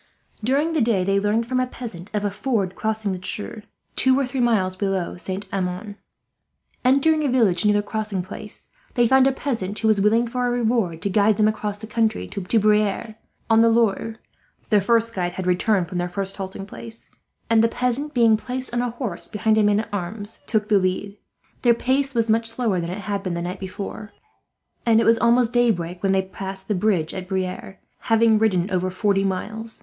During the day they learned, from a peasant, of a ford crossing the Cher, two or three miles below Saint Amand. Entering a village near the crossing place, they found a peasant who was willing, for a reward, to guide them across the country to Briare, on the Loire their first guide had returned from their first halting place and the peasant, being placed on a horse behind a man at arms, took the lead. Their pace was much slower than it had been the night before, and it was almost daybreak when they passed the bridge at Briare, having ridden over forty miles.